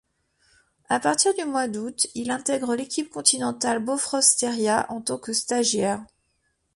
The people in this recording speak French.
À partir du mois d'août, il intègre l'équipe continentale Bofrost-Steria en tant que stagiaire.